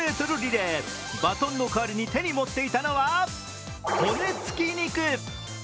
バトンの代わりに手に持っていたのは骨つき肉。